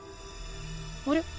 あれ？